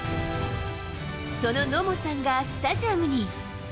その野茂さんがスタジアムに。